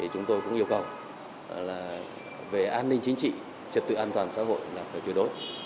chúng tôi cũng yêu cầu về an ninh chính trị trật tự an toàn xã hội là phải tuyệt đối